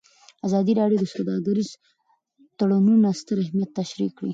ازادي راډیو د سوداګریز تړونونه ستر اهميت تشریح کړی.